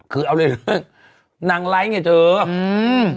คือเอาเรื่องนางไร้เนี่ยเถอะ